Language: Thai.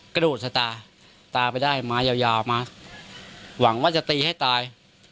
กระโดดสวยตาตาไปได้หวังว่าจะตีให้ตาย